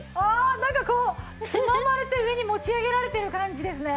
なんかこうつままれて上に持ち上げられてる感じですね。